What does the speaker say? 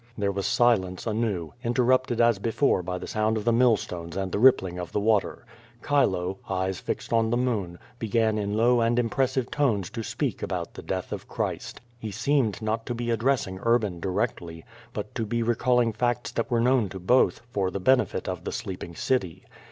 There was silence anew, interrupted as before by the sound of the mill stones and the rippling of the water. Chilo, eyes fixed on the moon, began in low and impressive tones to speak about the death of Christ. He seemed not to be ad dressing Urban directly, but to be recalling facts that were known to both, for the benefit of the sleeping city.